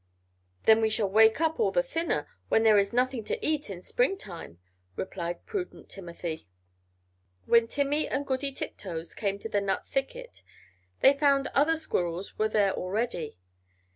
"Then we shall wake up all the thinner, when there is nothing to eat in spring time," replied prudent Timothy. When Timmy and Goody Tiptoes came to the nut thicket, they found other squirrels were there already.